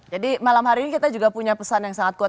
jadi malam hari ini kita juga punya pesan yang sangat kuat